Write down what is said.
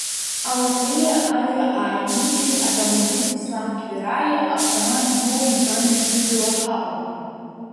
Алатариа иажәа ааимидеит акомандир Беслан Квираиа, автомат змоуи измами ҳзымдыруа ҳаҟоума.